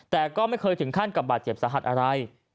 แต่ก็ไม่เคยถึงขั้นกับบาดเจ็บสาหัสอะไร